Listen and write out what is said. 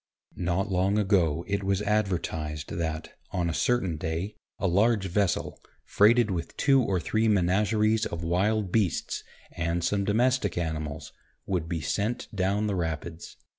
Not long ago it was advertised that, on a certain day, a large vessel, freighted with two or three menageries of wild beasts, and some domestic animals, would be sent down the Rapids.